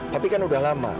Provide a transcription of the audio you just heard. papi kan udah lama